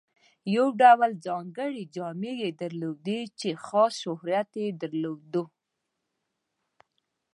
یو ډول ځانګړې جامې یې درلودې چې خاص شهرت یې درلود.